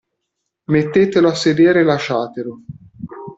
Mettetelo a sedere e lasciatelo.